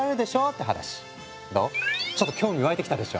ちょっと興味湧いてきたでしょ。